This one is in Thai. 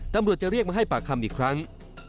ตำรวจจะเรียกมาให้ปากคำอีกครั้ง